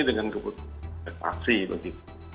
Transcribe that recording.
dengan kebutuhan investasi